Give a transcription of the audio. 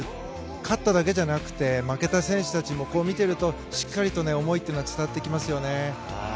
勝っただけじゃなくて負けた選手たちも見ているとしっかりと思いというのは伝わってきますよね。